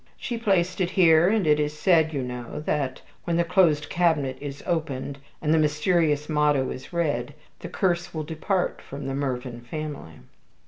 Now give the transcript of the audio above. "She placed it here, and it is said, you know, that when the closed cabinet is opened, and the mysterious motto is read, the curse will depart from the Mervyn family."